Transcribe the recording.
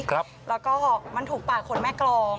แล้วก็มันถูกปากคนแม่กรอง